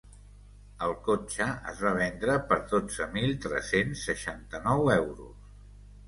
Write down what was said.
El cotxe es va vendre per dotze mil tres-cents seixanta-nou euros.